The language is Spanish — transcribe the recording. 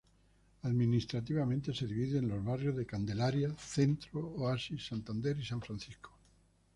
Administrativamente se divide en los barrios de Candelaria, Centro, Oasis, Santander y San Francisco.